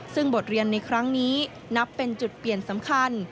ซึ่งบทเรียนในครั้งนี้นับเป็นจุดเปลี่ยนสำคัญ